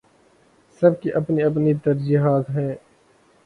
سب کی اپنی اپنی ترجیحات ہیں۔